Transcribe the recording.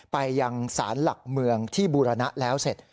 ไปยังสารหลักเมืองที่บูรณะแล้วเสร็จ